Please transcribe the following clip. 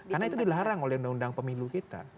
karena itu dilarang oleh undang undang pemilu kita